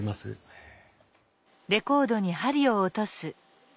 へえ。